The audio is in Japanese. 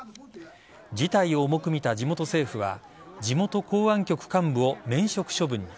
事態を重く見た地元政府は地元公安局幹部を免職処分に。